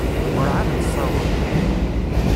Ur εad nessaweḍ.